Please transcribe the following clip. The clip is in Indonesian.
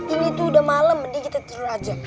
ini tuh udah malem mending kita tidur aja